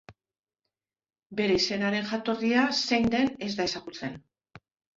Bere izenaren jatorria zein den ez da ezagutzen.